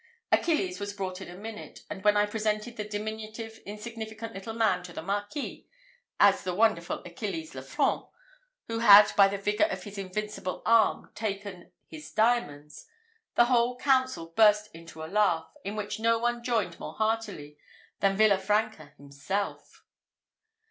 Achilles was brought in a minute; and when I presented the diminutive, insignificant, little man to the Marquis, as the wonderful Achilles le Franc, who had by the vigour of his invincible arm taken his diamonds, the whole council burst into a laugh, in which no one joined more heartily than Villa Franca himself.